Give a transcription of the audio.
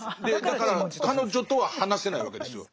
だから彼女とは話せないわけですよ。